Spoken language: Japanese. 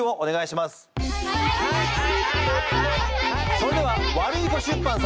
それではワルイコ出版様。